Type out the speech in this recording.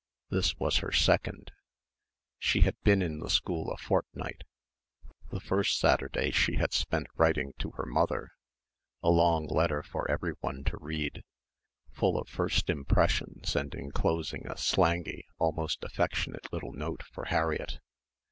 This was her second. She had been in the school a fortnight the first Saturday she had spent writing to her mother a long letter for everyone to read, full of first impressions and enclosing a slangy almost affectionate little note for Harriett.